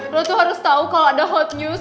lo tuh harus tahu kalau ada hot news